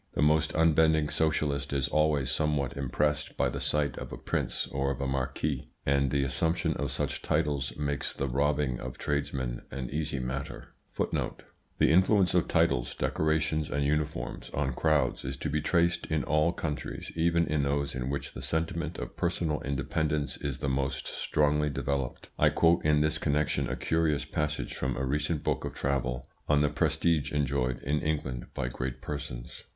The most unbending socialist is always somewhat impressed by the sight of a prince or a marquis; and the assumption of such titles makes the robbing of tradesmen an easy matter. The influence of titles, decorations, and uniforms on crowds is to be traced in all countries, even in those in which the sentiment of personal independence is the most strongly developed. I quote in this connection a curious passage from a recent book of travel, on the prestige enjoyed in England by great persons.